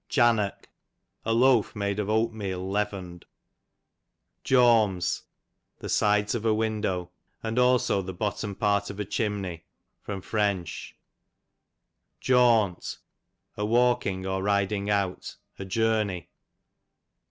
Jannock, a loaf made of oatmeal leavened. if thou will. 00 Jawms, the sides of a window ; and also the bottom part of a chim ney. Fr. Jawnt, a walking, or riding out, a journey.